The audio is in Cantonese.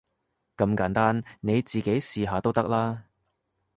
咁簡單，你自己試下都得啦